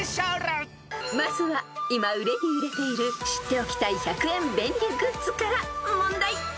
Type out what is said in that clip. ［まずは今売れに売れている知っておきたい１００円便利グッズから問題］